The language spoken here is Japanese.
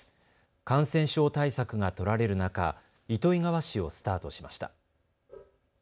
感染症対策が取られる中、糸魚川市をスタートしました。